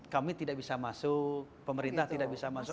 kami tidak bisa masuk pemerintah tidak bisa masuk